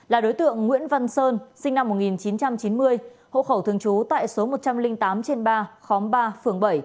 là đối tượng nguyễn văn sơn sinh năm một nghìn chín trăm chín mươi hộ khẩu thường trú tại số một trăm linh tám trên ba khóm ba phường bảy